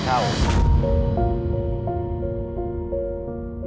จากนี้